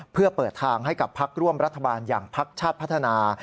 เพื่อเปิดทางให้กับพักร่วมรัฐบาลอย่างพักชาติพัฒนา